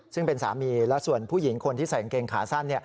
ซึ่งเป็นสามีและส่วนผู้หญิงคนที่ใส่กางเกงขาสั้น